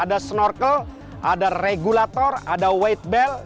ada snorkel ada regulator ada weight belt